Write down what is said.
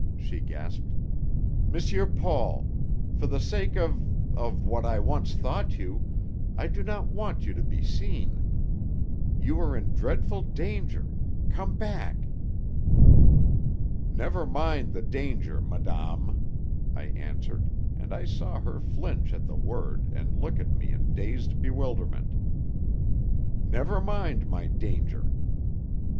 she gasped. "M. Paul! For the sake of of what I once thought you, I do not want you to be seen. You are in dreadful danger. Come back!" "Never mind the danger, madame," I answered, and I saw her flinch at the word and look at me in dazed bewilderment. "Never mind my danger."